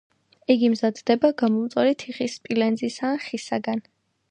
იგი მზადდება გამომწვარი თიხის, სპილენძისა ან ხისაგან.